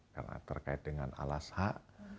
karena terkait dengan alas hak